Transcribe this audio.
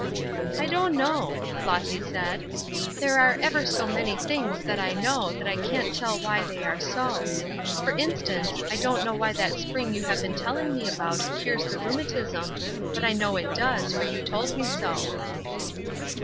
"I don't know," Flossy said. "There are ever so many things that I know that I can't tell why they are so. For instance, I don't know why that spring you have been telling me about cures the rheumatism, but I know it does, for you told me so."